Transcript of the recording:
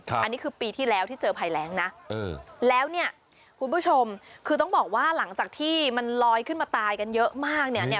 อันนี้คือปีที่แล้วที่เจอภัยแรงนะแล้วเนี่ยคุณผู้ชมคือต้องบอกว่าหลังจากที่มันลอยขึ้นมาตายกันเยอะมากเนี่ย